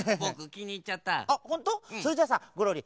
それじゃさゴロリ